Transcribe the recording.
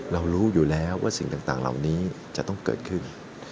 รู้อยู่แล้วว่าสิ่งต่างเหล่านี้จะต้องเกิดขึ้น